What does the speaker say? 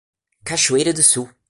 Cachoeira do Sul